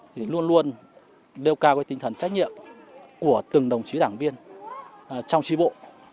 thì luôn luôn nêu cao cái tinh thần trách nhiệm của từng đồng chí đảng viên trong tri bộ